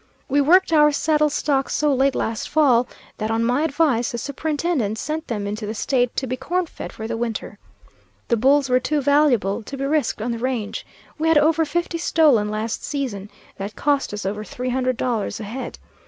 We worked our saddle stock so late last fall, that on my advice the superintendent sent them into the State to be corn fed for the winter. The bulls were too valuable to be risked on the range. We had over fifty stolen last season, that cost us over three hundred dollars a head.